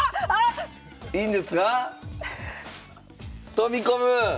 飛び込む！